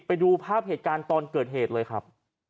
ไปดูภาพเหตุการณ์ตอนเกิดเหตุเลยครับ